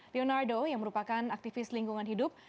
leonardo yang merupakan aktivis lingkungan hidup